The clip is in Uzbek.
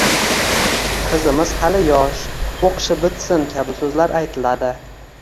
«Qizimiz hali yosh», «o’qishi bitsin» kabi so’zlar aytiladi.